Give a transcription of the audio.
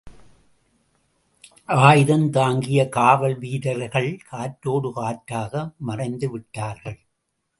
ஆயுதந்தாங்கிய காவல் வீரர்கள் காற்றோடு காற்றாக மறைந்துவிட்டார்கள்.